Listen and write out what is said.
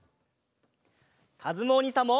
かずむおにいさんも！